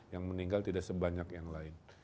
yang meninggal tidak sebanyak yang lain